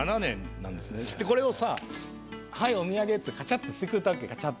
これをさ「はいお土産」ってカチャってしてくれたわけカチャって。